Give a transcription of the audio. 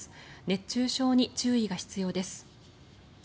熱中症に注意が必要です。